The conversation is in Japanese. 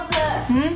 うん？